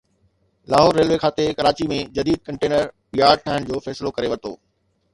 Lahore railway کاتي ڪراچي ۾ جديد container yard ٺاهڻ جو فيصلو ڪري ورتو